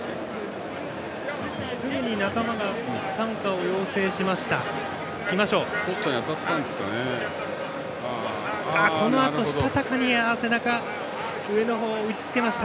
すぐに仲間が担架を要請しました。